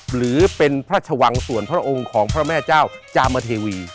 หรือเป็นพระชวังส่วนพระองค์ของพระแม่เจ้าจามเทวี